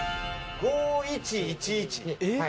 ５・１・１・１。